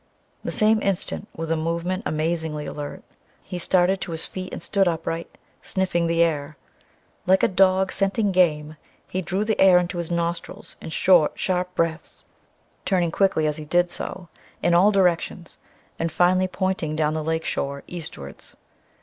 The same instant, with a movement amazingly alert, he started to his feet and stood upright sniffing the air. Like a dog scenting game, he drew the air into his nostrils in short, sharp breaths, turning quickly as he did so in all directions, and finally "pointing" down the lake shore, eastwards.